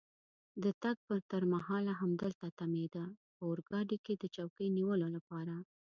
د تګ تر مهاله همدلته تمېده، په اورګاډي کې د چوکۍ نیولو لپاره.